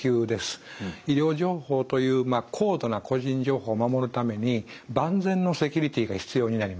医療情報という高度な個人情報を守るために万全のセキュリティーが必要になります。